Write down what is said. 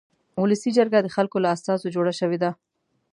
ولسي جرګه د خلکو له استازو جوړه شوې ده.